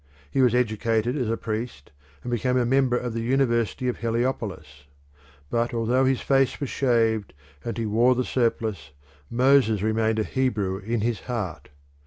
He was educated as a priest, and became a member of the University of Heliopolis. But although his face was shaved and he wore the surplice, Moses remained a Hebrew in his heart.